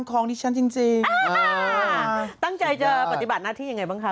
ของดิฉันจริงจริงอ่าตั้งใจจะปฏิบัติหน้าที่ยังไงบ้างคะ